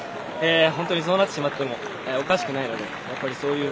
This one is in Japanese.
本当に、そうなってしまってもおかしくないので。